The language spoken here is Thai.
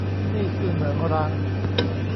นี่คือเหมืองร้าง